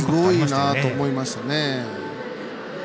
すごいなと思いましたね。